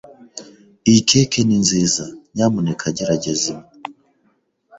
Iyi keke ni nziza. Nyamuneka gerageza imwe.